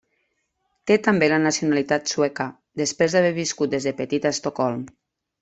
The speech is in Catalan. Té també la nacionalitat sueca després d'haver viscut des de petit a Estocolm.